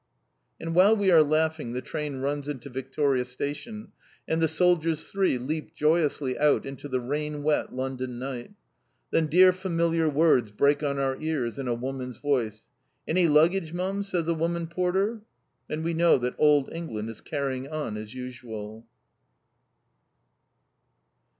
'_"And while we are laughing the train runs into Victoria Station and the soldiers three leap joyously out into the rain wet London night. Then dear familiar words break on our ears, in a woman's voice. "Any luggage, Mum!" says a woman porter. And we know that old England is carrying on as usual!